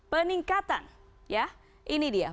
peningkatan ya ini dia